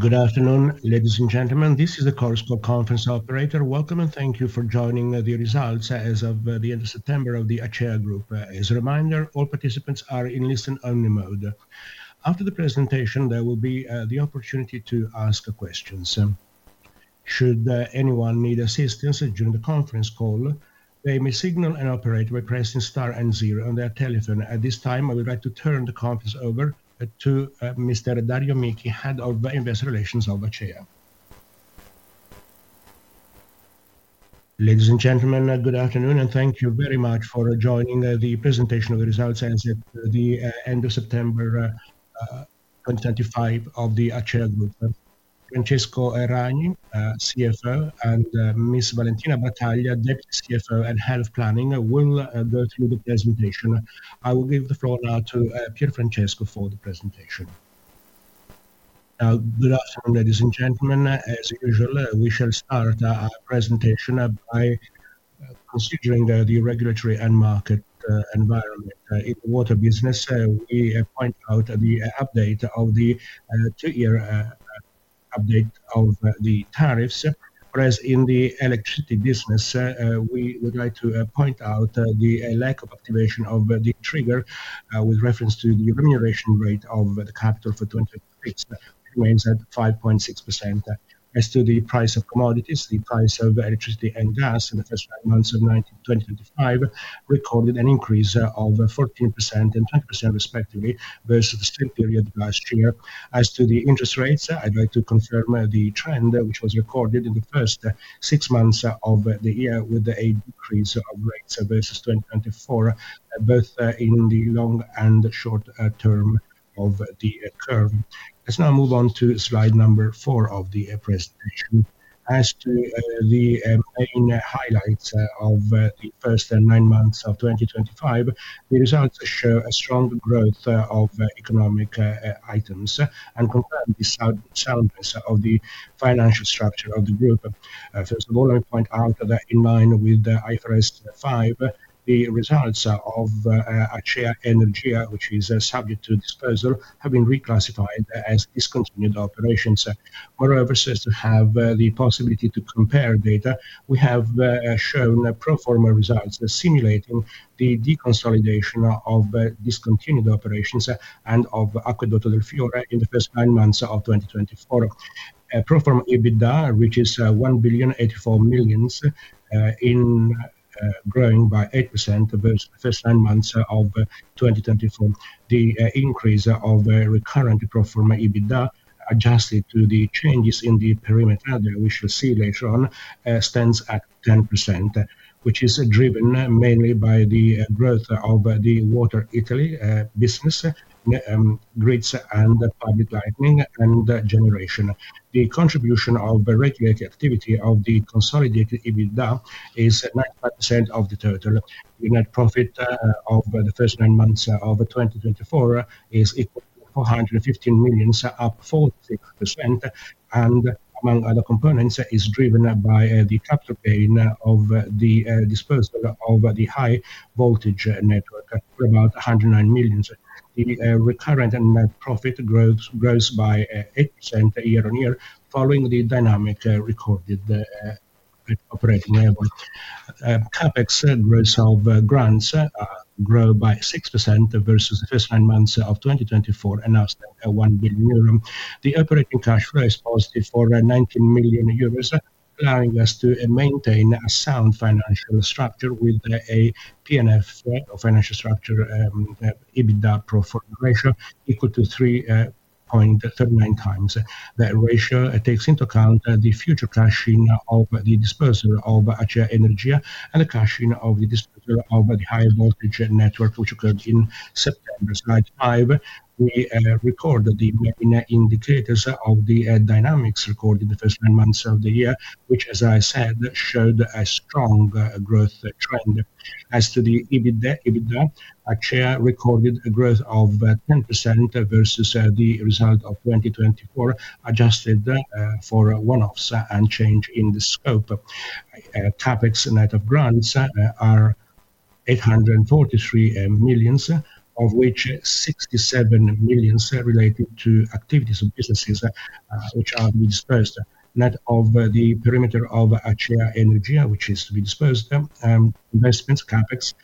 Good afternoon, ladies and gentlemen. This is the CORSCO conference operator. Welcome, and thank you for joining the results as of the end of September of the ACEA Group. As a reminder, all participants are in listen-only mode. After the presentation, there will be the opportunity to ask questions. Should anyone need assistance during the conference call, they may signal and operate by pressing * and zero on their telephone. At this time, I would like to turn the conference over to Mr. Dario Michi, Head of Investor Relations of ACEA. Ladies and gentlemen, good afternoon, and thank you very much for joining the presentation of the results as of the end of September 2025 of the ACEA Group. Francesco Ragni, CFO, and Ms. Valentina Battaglia, Deputy CFO and Head of Planning, will go through the presentation. I will give the floor now to Pier Francesco for the presentation. Good afternoon, ladies and gentlemen. As usual, we shall start our presentation by considering the regulatory and market environment. In the water business, we point out the update of the two-year update of the tariffs, whereas in the electricity business, we would like to point out the lack of activation of the trigger with reference to the remuneration rate of the capital for 2023, which remains at 5.6%. As to the price of commodities, the price of electricity and gas in the first nine months of 2025 recorded an increase of 14% and 20% respectively versus the same period last year. As to the interest rates, I'd like to confirm the trend which was recorded in the first six months of the year with a decrease of rates versus 2024, both in the long and short term of the curve. Let's now move on to slide number four of the presentation. As to the main highlights of the first nine months of 2025, the results show a strong growth of economic items and confirm the soundness of the financial structure of the group. First of all, I point out that in line with IFRS 5, the results of ACEA Energia, which is subject to disposal, have been reclassified as discontinued operations. Moreover, so as to have the possibility to compare data, we have shown pro forma results simulating the deconsolidation of discontinued operations and of Acquedotto del Fiore in the first nine months of 2024. Pro forma EBITDA reaches 1.84 billion, growing by 8% versus the first nine months of 2024. The increase of recurrent pro forma EBITDA, adjusted to the changes in the perimeter, which you'll see later on, stands at 10%, which is driven mainly by the growth of the water Italy business, grids, and public lighting and generation. The contribution of regulatory activity of the consolidated EBITDA is 95% of the total. The net profit of the first nine months of 2025 is equal to 415 million, up 46%, and among other components, is driven by the capital gain of the disposal of the high voltage network, about 109 million. The recurrent net profit grows by 8% year on year, following the dynamic recorded operating level. CapEx growth of grants grow by 6% versus the first nine months of 2024, announced at 1 billion euro. The operating cash flow is positive for 19 million euros, allowing us to maintain a sound financial structure with a Net Financial Position, or financial structure, EBITDA pro forma ratio equal to 3.39 times. That ratio takes into account the future cashing of the disposal of ACEA Energia and the cashing of the disposal of the high voltage network, which occurred in September. Slide 5, we recorded the main indicators of the dynamics recorded in the first nine months of the year, which, as I said, showed a strong growth trend. As to the EBITDA, ACEA recorded a growth of 10% versus the result of 2024, adjusted for one-offs and change in the scope. CapEx net of grants are 843 million, of which 67 million is related to activities of businesses which are to be disposed. Net of the perimeter of ACEA Energia, which is to be disposed, investments, CapEx,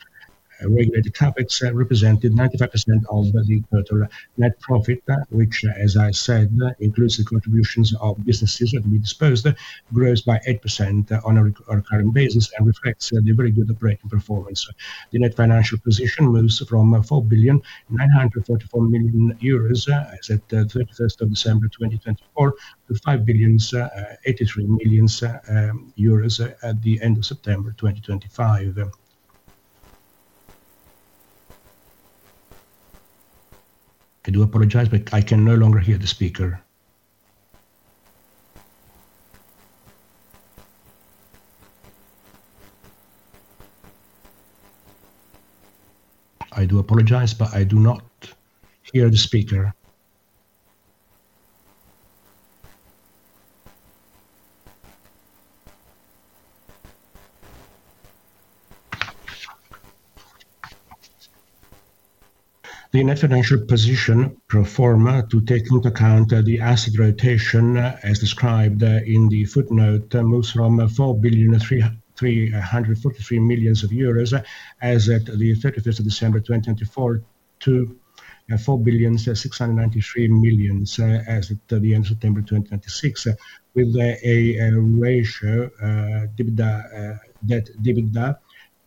regulated CapEx represented 95% of the total net profit, which, as I said, includes the contributions of businesses that will be disposed, grows by 8% on a recurring basis and reflects the very good operating performance. The net financial position moves from 4.944 billion as of 31 December 2024 to 5.83 billion at the end of September 2025. I do apologize, but I can no longer hear the speaker. I do apologize, but I do not hear the speaker. The net financial position pro forma to take into account the asset rotation, as described in the footnote, moves from 4.343 billion as at the 31 December 2024 to 4.693 billion as at the end of September 2026, with a ratio debt/EBITDA,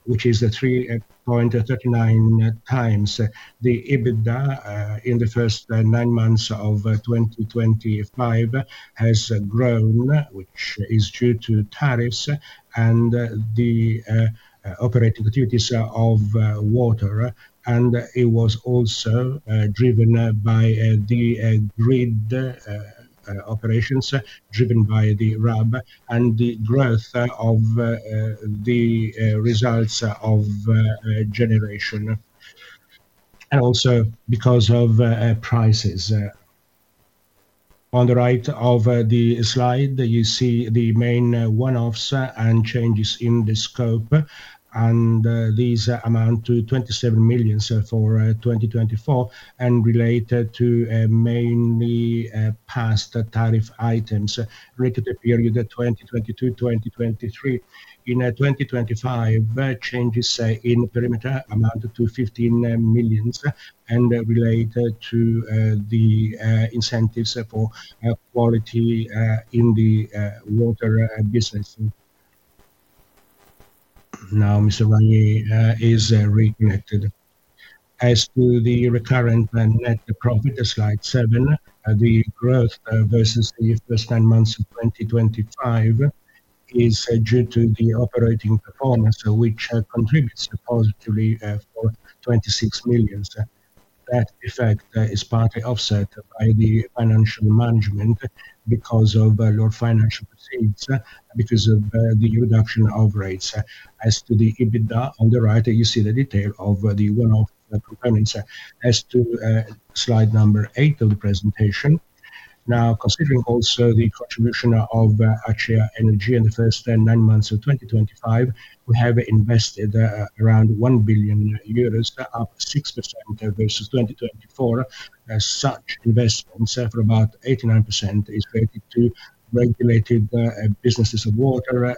which is 3.39 times. The EBITDA in the first nine months of 2025 has grown, which is due to tariffs and the operating activities of water, and it was also driven by the grid operations, driven by the RAB, and the growth of the results of generation, and also because of prices. On the right of the slide, you see the main one-offs and changes in the scope, and these amount to 27 million for 2024 and related to mainly past tariff items related to the period 2022-2023. In 2025, changes in perimeter amount to 15 million and related to the incentives for quality in the water business. Now, Mr. Ragni is reconnected. As to the recurrent net profit, slide 7, the growth versus the first nine months of 2025 is due to the operating performance, which contributes positively for 26 million. That effect is partly offset by the financial management because of lower financial receipts, because of the reduction of rates. As to the EBITDA, on the right, you see the detail of the one-off components. As to slide number eight of the presentation, now, considering also the contribution of ACEA Energia in the first nine months of 2025, we have invested around 1 billion euros, up 6% versus 2024. Such investments for about 89% is related to regulated businesses of water,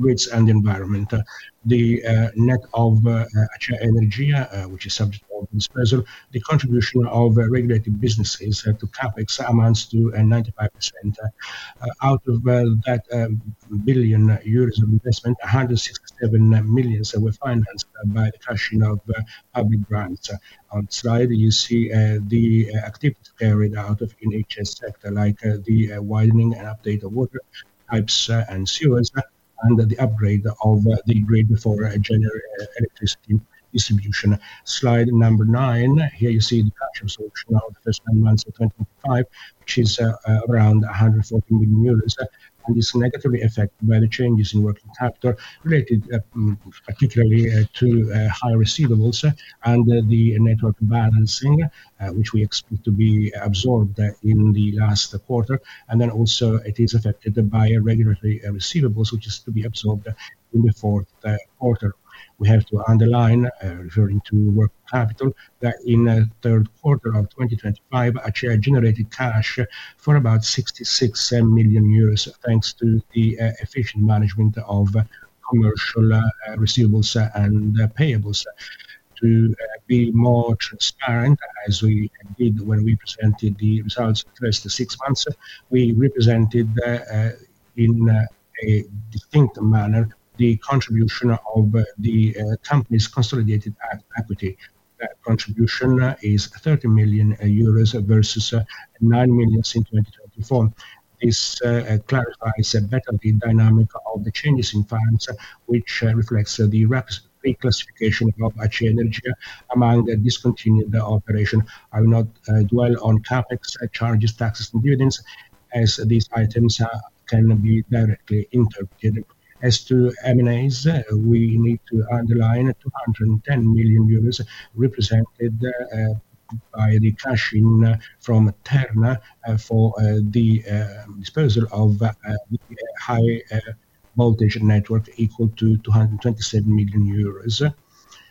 grids, and the environment. The net of ACEA Energia, which is subject to disposal, the contribution of regulated businesses to CapEx amounts to 95%. Out of that 1 billion euros of investment, 167 million were financed by the cashing of public grants. On the slide, you see the activity carried out in each sector, like the widening and update of water pipes and sewers, and the upgrade of the grid for electricity distribution. Slide number nine, here you see the cashing solution of the first nine months of 2025, which is around 140 million euros, and it's negatively affected by the changes in working capital related particularly to high receivables and the network balancing, which we expect to be absorbed in the last quarter. It is also affected by regulatory receivables, which is to be absorbed in the fourth quarter. We have to underline, referring to working capital, that in the third quarter of 2025, ACEA generated cash for about 66 million euros, thanks to the efficient management of commercial receivables and payables. To be more transparent, as we did when we presented the results for the first six months, we represented in a distinct manner the contribution of the company's consolidated equity. That contribution is 30 million euros versus 9 million since 2024. This clarifies better the dynamic of the changes in funds, which reflects the reclassification of ACEA Energia among discontinued operations. I will not dwell on CapEx, charges, taxes, and dividends, as these items can be directly interpreted. As to M&As, we need to underline 210 million euros represented by the cashing from TERNA for the disposal of the high voltage network, equal to 227 million euros.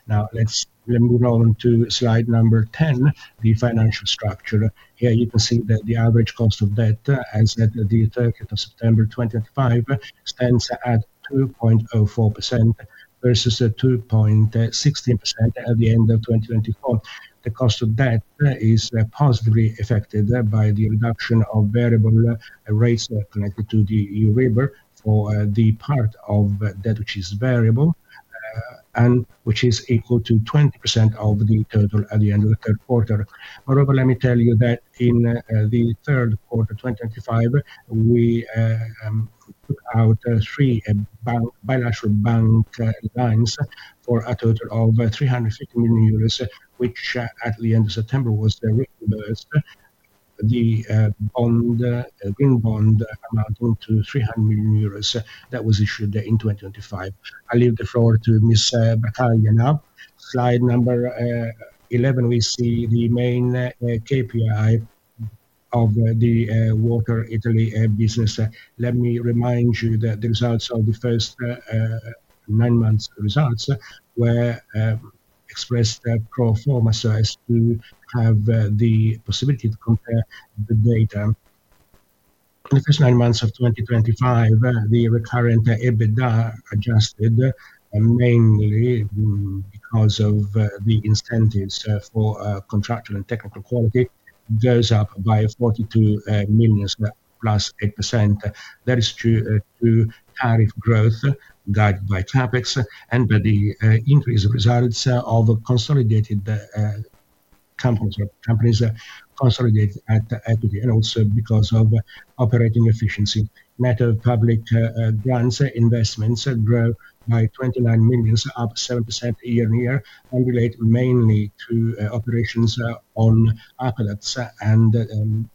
Now, let's move on to slide number 10, the financial structure. Here you can see that the average cost of debt, as at the 30th of September 2025, stands at 2.04% versus 2.16% at the end of 2024. The cost of debt is positively affected by the reduction of variable rates connected to the EURIBOR for the part of debt which is variable and which is equal to 20% of the total at the end of the third quarter. However, let me tell you that in the third quarter of 2025, we took out three bilateral bank lines for a total of 350 million euros, which at the end of September was reimbursed, the green bond amounting to 300 million euros that was issued in 2025. I leave the floor to Ms. Battaglia now. Slide number 11, we see the main KPI of the water Italy business. Let me remind you that the results of the first nine months' results were expressed pro forma so as to have the possibility to compare the data. In the first nine months of 2025, the recurrent EBITDA adjusted, mainly because of the incentives for contractual and technical quality, goes up by 42 million plus 8%. That is due to tariff growth guided by CapEx and by the increase of results of consolidated companies consolidated at equity, and also because of operating efficiency. Net of public grants investments grow by 29 million, up 7% year on year, and related mainly to operations on aqueducts and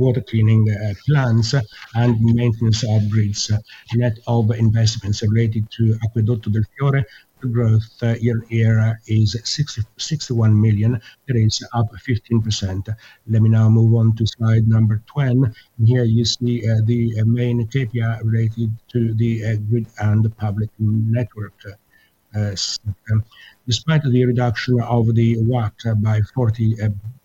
water cleaning plants and maintenance of grids. Net of investments related to Acquedotto del Fiore, the growth year on year is 61 million, that is up 15%. Let me now move on to slide number 10. Here you see the main KPI related to the grid and public network. Despite the reduction of the WAT by 40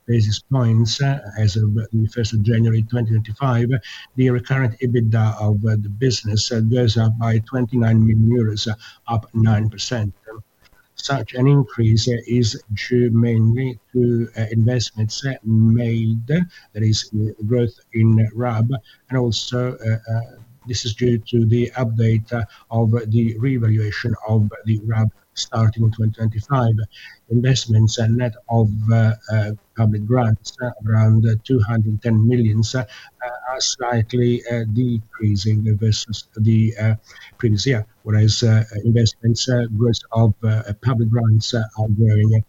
basis points as of the 1st of January 2025, the recurrent EBITDA of the business goes up by 29 million euros, up 9%. Such an increase is due mainly to investments made, that is, growth in RAB, and also this is due to the update of the reevaluation of the RAB starting in 2025. Investments net of public grants, around 210 million, are slightly decreasing versus the previous year, whereas investments growth of public grants are growing.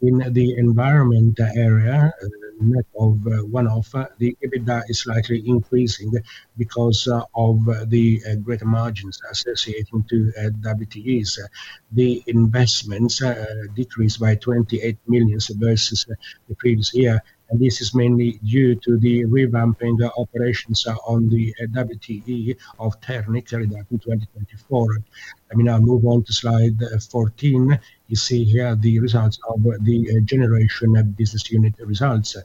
In the environment area, net of one-off, the EBITDA is slightly increasing because of the greater margins associated to WTEs. The investments decreased by 28 million versus the previous year, and this is mainly due to the revamping operations on the WTE of TERNA in 2024. Let me now move on to slide 14. You see here the results of the generation business unit results.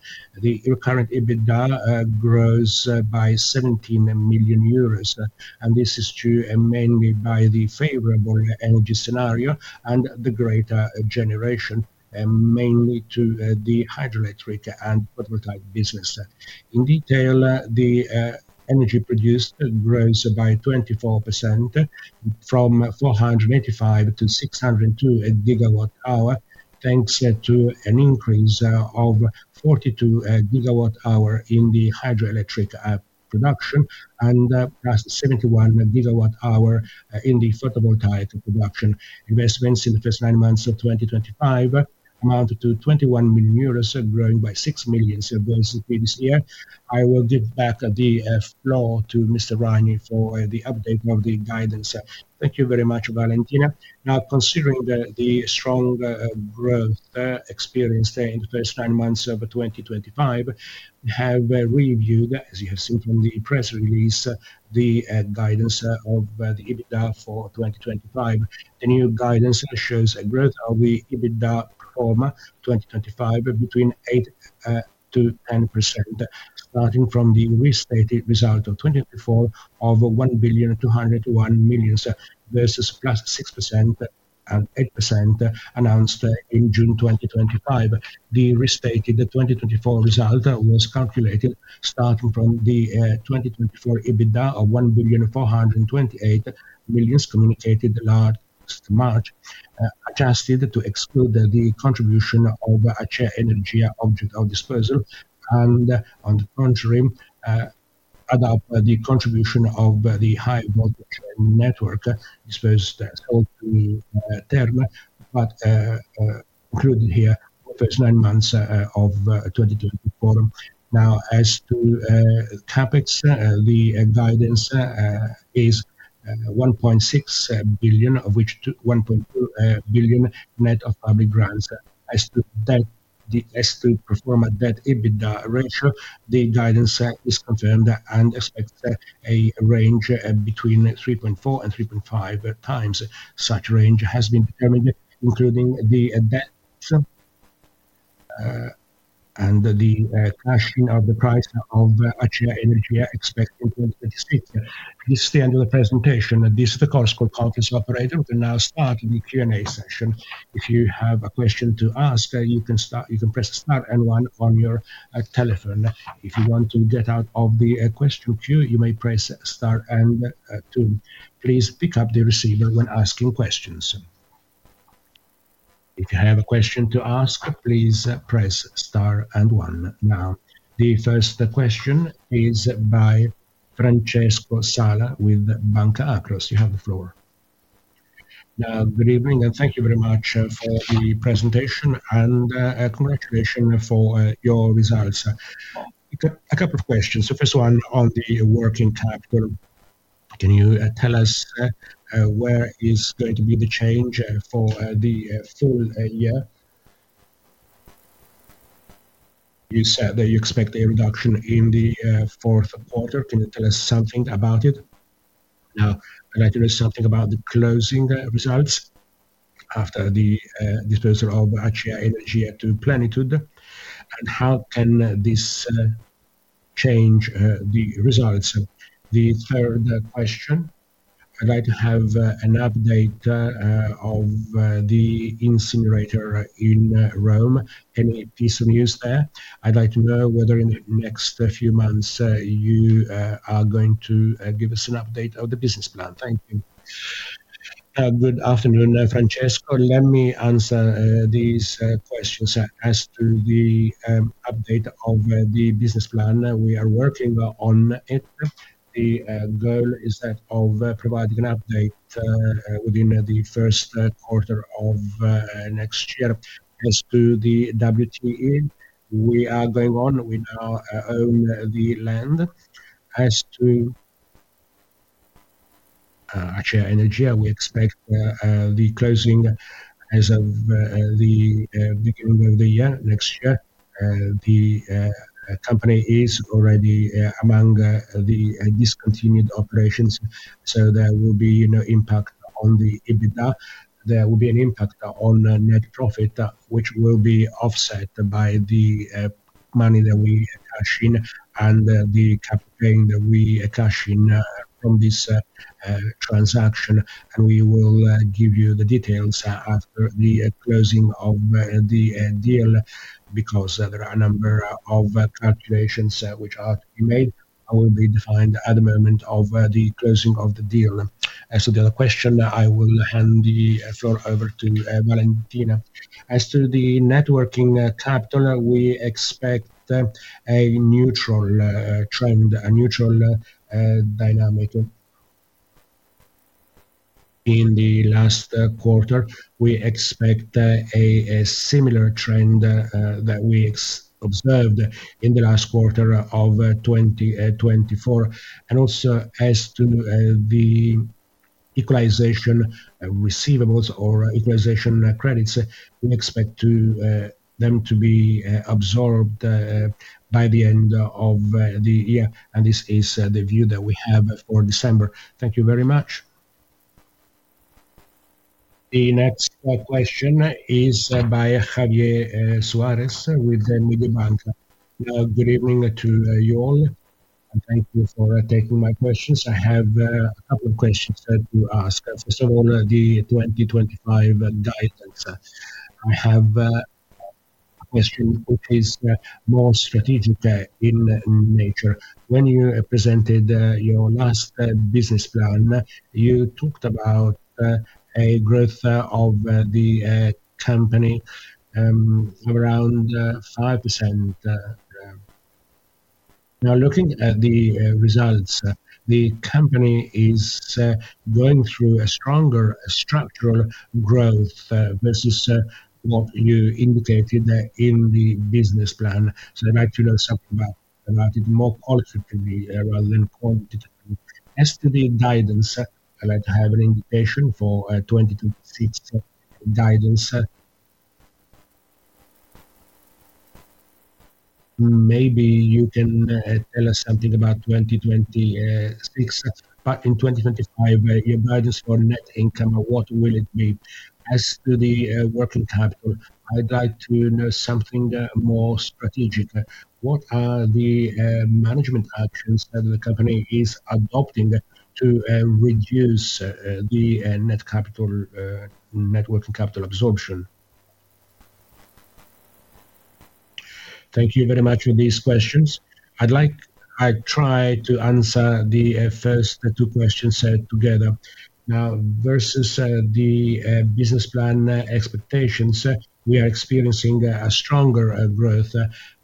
The recurrent EBITDA grows by 17 million euros, and this is due mainly by the favorable energy scenario and the greater generation, mainly to the hydroelectric and photovoltaic business. In detail, the energy produced grows by 24% from 485 to 602 gigawatt-hour, thanks to an increase of 42 gigawatt-hour in the hydroelectric production and 71 gigawatt-hour in the photovoltaic production. Investments in the first nine months of 2025 amount to 21 million euros, growing by 6 million versus previous year. I will give back the floor to Mr. Ragni for the update of the guidance. Thank you very much, Valentina. Now, considering the strong growth experienced in the first nine months of 2025, we have reviewed, as you have seen from the press release, the guidance of the EBITDA for 2025. The new guidance shows a growth of the EBITDA performer 2025 between 8%-10%, starting from the restated result of 2024 of 1.201 million versus plus 6%-8% announced in June 2025. The restated 2024 result was calculated starting from the 2024 EBITDA of 1.428 million communicated last March, adjusted to exclude the contribution of ACEA Energia object of disposal, and on the contrary, add up the contribution of the high voltage network disposed solely to TERNA, but included here in the first nine months of 2024. Now, as to CapEx, the guidance is 1.6 billion, of which 1.2 billion net of public grants. As to performer debt/EBITDA ratio, the guidance is confirmed and expects a range between 3.4 and 3.5 times. Such range has been determined, including the debt and the cashing of the price of ACEA Energia expected in 2026. This is the end of the presentation. This is the correspondence with the conference operator. We can now start the Q&A session. If you have a question to ask, you can press * and 1 on your telephone. If you want to get out of the question queue, you may press * and 2. Please pick up the receiver when asking questions. If you have a question to ask, please press * and 1. Now, the first question is by Francesco Sala with Banca Akros. You have the floor. Now, good evening and thank you very much for the presentation and congratulations for your results. A couple of questions. The first one on the working capital. Can you tell us where is going to be the change for the full year? You said that you expect a reduction in the fourth quarter. Can you tell us something about it? Now, I'd like to know something about the closing results after the disposal of ACEA Energia to Plenitude. How can this change the results? The third question. I'd like to have an update of the incinerator in Rome. Any piece of news there? I'd like to know whether in the next few months you are going to give us an update of the business plan. Thank you. Good afternoon, Francesco. Let me answer these questions. As to the update of the business plan, we are working on it. The goal is that of providing an update within the first quarter of next year. As to the WTE, we are going on with our own land. As to ACEA Energia, we expect the closing as of the beginning of the year next year. The company is already among the discontinued operations, so there will be no impact on the EBITDA. There will be an impact on net profit, which will be offset by the money that we cash in and the capital gain that we cash in from this transaction. We will give you the details after the closing of the deal because there are a number of calculations which are to be made and will be defined at the moment of the closing of the deal. As to the other question, I will hand the floor over to Valentina. As to the networking capital, we expect a neutral trend, a neutral dynamic. In the last quarter, we expect a similar trend that we observed in the last quarter of 2024. Also, as to the equalization receivables or equalization credits, we expect them to be absorbed by the end of the year. This is the view that we have for December. Thank you very much. The next question is by Javier Suárez with Mediobanca. Good evening to you all. Thank you for taking my questions. I have a couple of questions to ask. First of all, the 2025 guidance. I have a question which is more strategic in nature. When you presented your last business plan, you talked about a growth of the company around 5%. Now, looking at the results, the company is going through a stronger structural growth versus what you indicated in the business plan. I would like to know something about it more qualitatively rather than quantitatively. As to the guidance, I would like to have an indication for 2026 guidance. Maybe you can tell us something about 2026. In 2025, your guidance for net income, what will it be? As to the working capital, I would like to know something more strategic. What are the management actions that the company is adopting to reduce the net capital, net working capital absorption? Thank you very much for these questions. I'd like, I try to answer the first two questions together. Now, versus the business plan expectations, we are experiencing a stronger growth.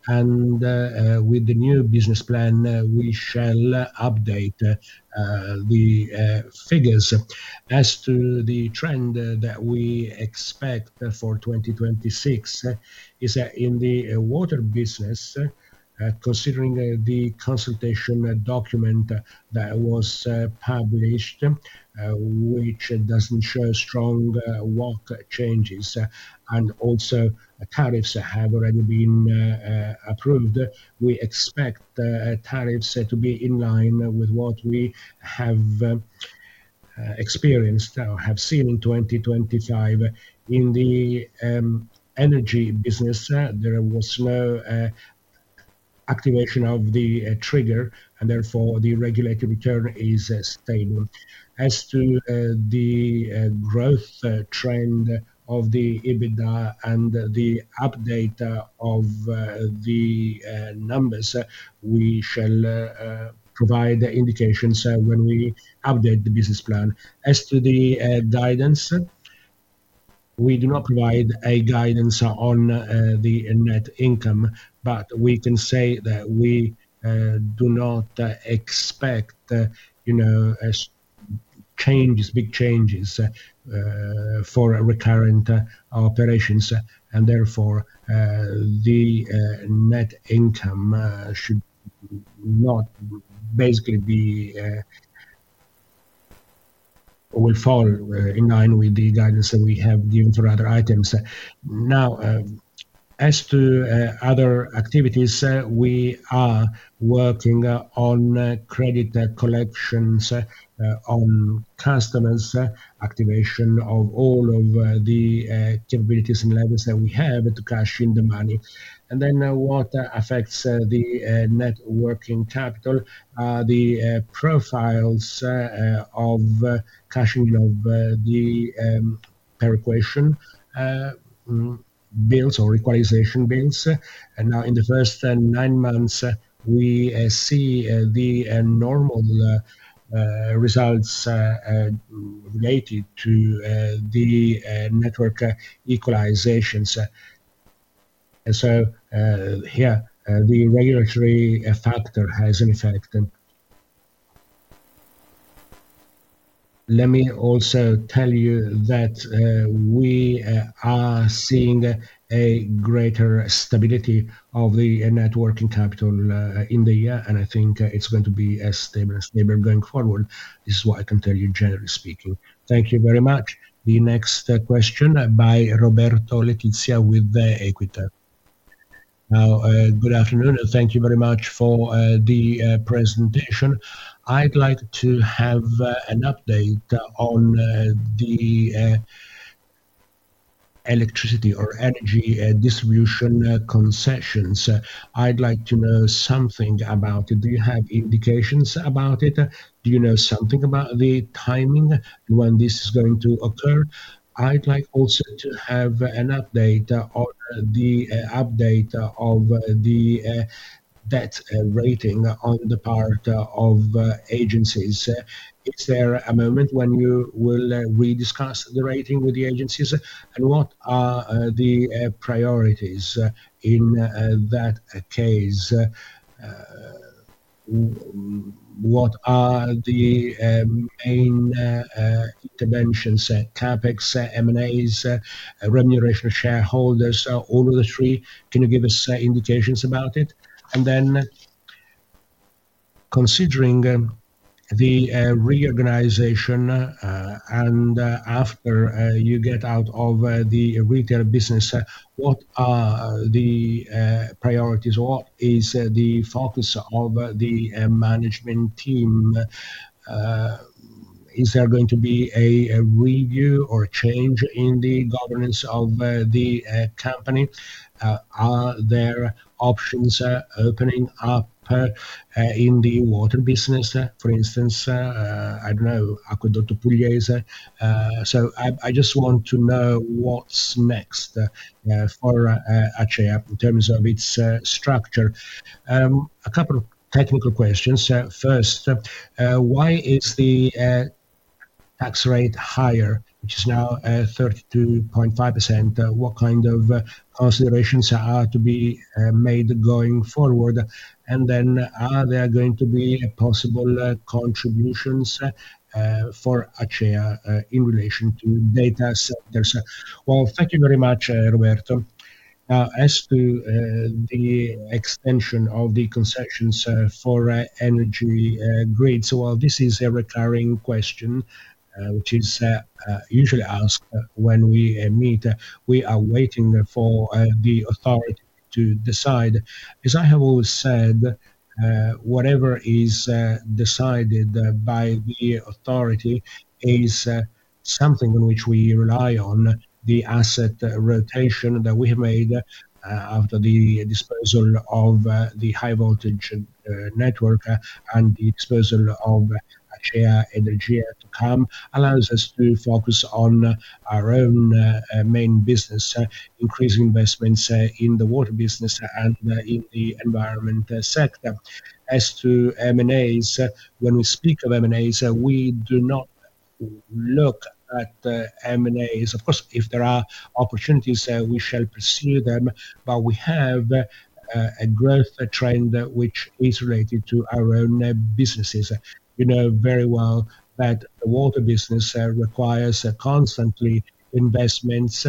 With the new business plan, we shall update the figures. As to the trend that we expect for 2026, it's in the water business, considering the consultation document that was published, which does not show strong work changes. Also, tariffs have already been approved. We expect tariffs to be in line with what we have experienced or have seen in 2025. In the energy business, there was no activation of the trigger, and therefore, the regulatory return is stable. As to the growth trend of the EBITDA and the update of the numbers, we shall provide indications when we update the business plan. As to the guidance, we do not provide a guidance on the net income, but we can say that we do not expect changes, big changes for recurrent operations. Therefore, the net income should not basically be or will fall in line with the guidance that we have given for other items. Now, as to other activities, we are working on credit collections on customers, activation of all of the capabilities and levels that we have to cash in the money. What affects the networking capital are the profiles of cashing of the per-equation bills or equalization bills. Now, in the first nine months, we see the normal results related to the network equalizations. Here, the regulatory factor has an effect. Let me also tell you that we are seeing a greater stability of the networking capital in the year, and I think it's going to be as stable as stable going forward. This is what I can tell you, generally speaking. Thank you very much. The next question by Roberto Letizia with Equita. Good afternoon, and thank you very much for the presentation. I'd like to have an update on the electricity or energy distribution concessions. I'd like to know something about it. Do you have indications about it? Do you know something about the timing when this is going to occur? I'd like also to have an update on the update of the debt rating on the part of agencies. Is there a moment when you will rediscuss the rating with the agencies? What are the priorities in that case? What are the main interventions? CapEx, M&As, remuneration of shareholders, all of the three. Can you give us indications about it? Considering the reorganization and after you get out of the retail business, what are the priorities? What is the focus of the management team? Is there going to be a review or change in the governance of the company? Are there options opening up in the water business? For instance, I do not know, Aqueduct of Pesquera. I just want to know what is next for ACEA in terms of its structure. A couple of technical questions. First, why is the tax rate higher, which is now 32.5%? What kind of considerations are to be made going forward? Are there going to be possible contributions for ACEA in relation to data centers? Thank you very much, Roberto. Now, as to the extension of the concessions for energy grids, this is a recurring question, which is usually asked when we meet. We are waiting for the authority to decide. As I have always said, whatever is decided by the authority is something on which we rely. The asset rotation that we have made after the disposal of the high-voltage network and the disposal of ACEA Energia to come allows us to focus on our own main business, increasing investments in the water business and in the environment sector. As to M&As, when we speak of M&As, we do not look at M&As. Of course, if there are opportunities, we shall pursue them, but we have a growth trend which is related to our own businesses. You know very well that the water business requires constant investments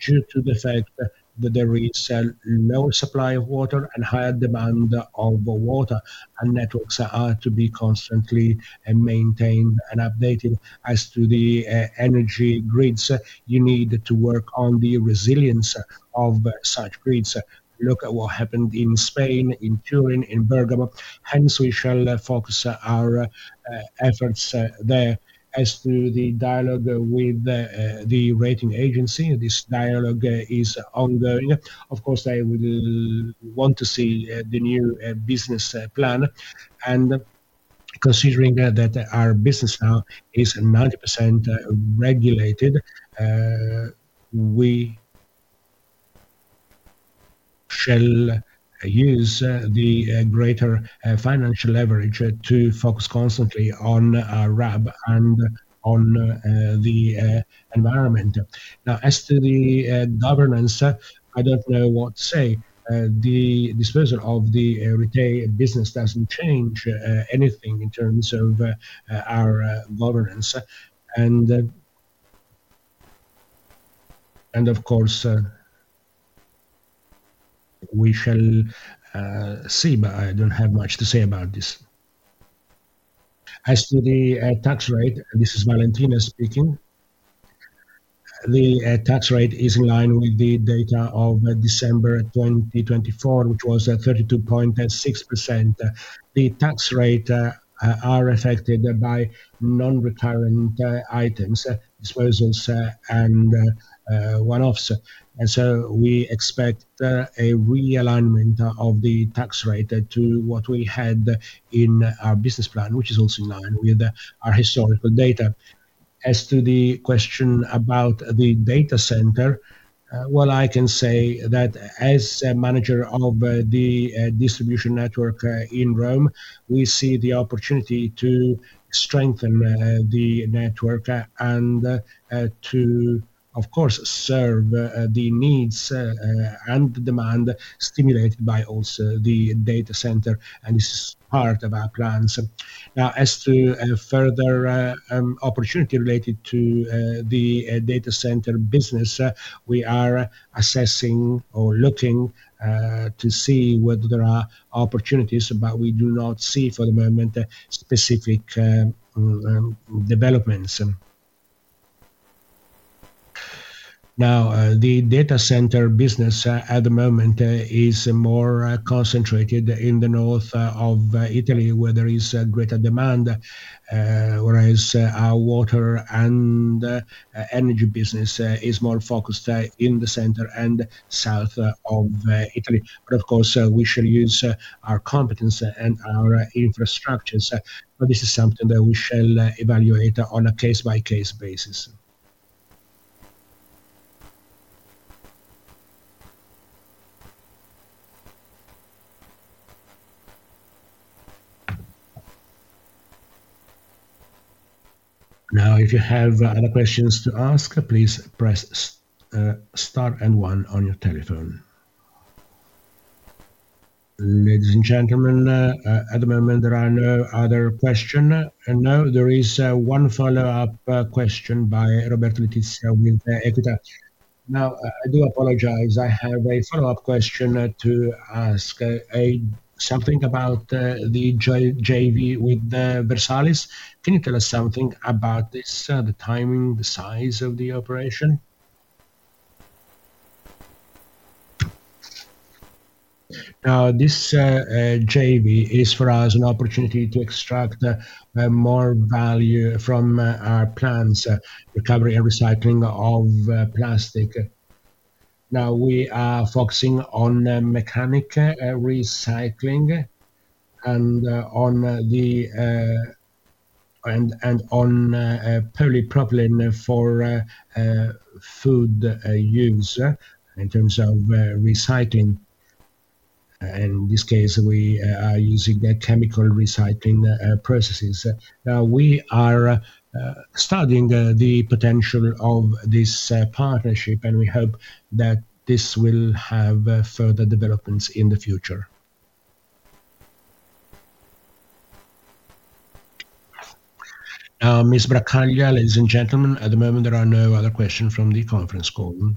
due to the fact that there is a lower supply of water and higher demand of water, and networks are to be constantly maintained and updated. As to the energy grids, you need to work on the resilience of such grids. Look at what happened in Spain, in Turin, in Bergamo. Hence, we shall focus our efforts there. As to the dialogue with the rating agency, this dialogue is ongoing. Of course, I would want to see the new business plan. Considering that our business now is 90% regulated, we shall use the greater financial leverage to focus constantly on RAB and on the environment. Now, as to the governance, I don't know what to say. The disposal of the retail business doesn't change anything in terms of our governance. Of course, we shall see, but I do not have much to say about this. As to the tax rate, this is Valentina speaking. The tax rate is in line with the data of December 2024, which was 32.6%. The tax rates are affected by non-recurrent items, disposals, and one-offs. We expect a realignment of the tax rate to what we had in our business plan, which is also in line with our historical data. As to the question about the data center, I can say that as a manager of the distribution network in Rome, we see the opportunity to strengthen the network and to, of course, serve the needs and demand stimulated by also the data center. This is part of our plans. Now, as to further opportunity related to the data center business, we are assessing or looking to see whether there are opportunities, but we do not see for the moment specific developments. Now, the data center business at the moment is more concentrated in the north of Italy, where there is greater demand, whereas our water and energy business is more focused in the center and south of Italy. Of course, we shall use our competence and our infrastructures. This is something that we shall evaluate on a case-by-case basis. Now, if you have other questions to ask, please press * and one on your telephone. Ladies and gentlemen, at the moment, there are no other questions. Now, there is one follow-up question by Roberto Letizia with Equita. I do apologize. I have a follow-up question to ask something about the JV with Versales. Can you tell us something about this, the timing, the size of the operation? Now, this JV is for us an opportunity to extract more value from our plans, recovery and recycling of plastic. Now, we are focusing on mechanical recycling and on polypropylene for food use in terms of recycling. In this case, we are using chemical recycling processes. Now, we are studying the potential of this partnership, and we hope that this will have further developments in the future. Ms. Bracaglia, ladies and gentlemen, at the moment, there are no other questions from the conference call.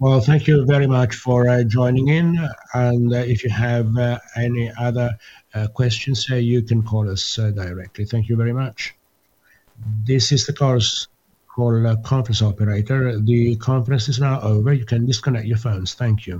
Thank you very much for joining in. If you have any other questions, you can call us directly. Thank you very much. This is the call for a conference operator. The conference is now over. You can disconnect your phones. Thank you.